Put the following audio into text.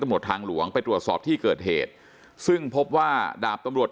ตำรวจทางหลวงไปตรวจสอบที่เกิดเหตุซึ่งพบว่าดาบตำรวจ